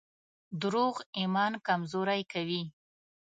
دروغ ایمان کمزوری کوي.